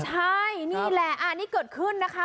ใช่นี่แหละอันนี้เกิดขึ้นนะคะ